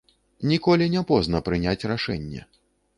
Ніколі не позна прыняць рашэнне.